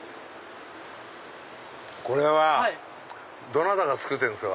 これはどなたが作ってるんですか？